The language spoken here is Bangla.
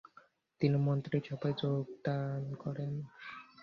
তিনি মন্ত্রীসভায় যোগদা করেন।